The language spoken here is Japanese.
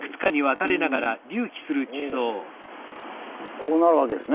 こうなるわけですね。